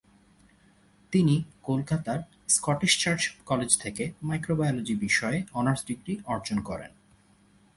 তিনি কলকাতার Scottish Church College থেকে মাইক্রোবায়োলজি বিষয়ে অনার্স ডিগ্রি অর্জন করেন।